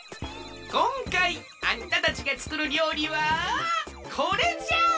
こんかいあんたたちがつくるりょうりはこれじゃ！